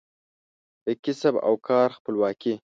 د کسب او کار خپلواکي